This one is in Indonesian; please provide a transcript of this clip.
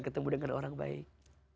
ketemu dengan orang baik